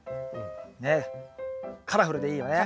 ねっカラフルでいいよね。